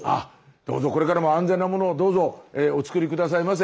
どうぞこれからも安全なものをどうぞお作り下さいませ。